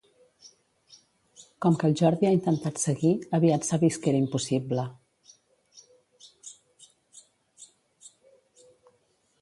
Com que el Jordi ha intentat seguir, aviat s'ha vist que era impossible.